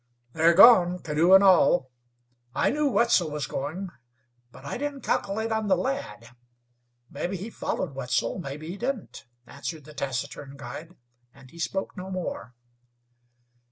"They're gone, canoe and all. I knew Wetzel was going, but I didn't calkilate on the lad. Mebbe he followed Wetzel, mebbe he didn't," answered the taciturn guide, and he spoke no more.